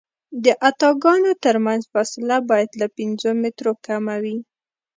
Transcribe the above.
د اتکاګانو ترمنځ فاصله باید له پنځو مترو کمه وي